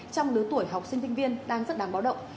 trong lứa tuổi học sinh sinh viên đang rất đáng báo động